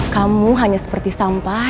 kamu hanya seperti sampah